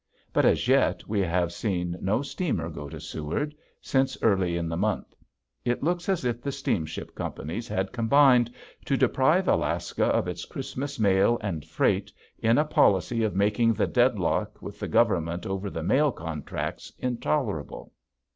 But as yet we have seen no steamer go to Seward since early in the month. It looks as if the steamship companies had combined to deprive Alaska of its Christmas mail and freight in a policy of making the deadlock with the government over the mail contracts intolerable.